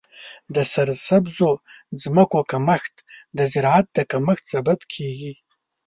د سرسبزو ځمکو کمښت د زراعت د کمښت سبب کیږي.